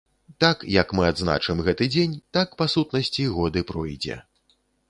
Так, як мы адзначым гэты дзень, так, па сутнасці, год і пройдзе.